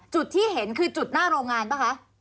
จุดที่เห็นคือจุดหน้าโรงงานป่ะคะ